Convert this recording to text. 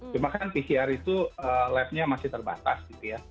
cuma kan pcr itu labnya masih terbatas gitu ya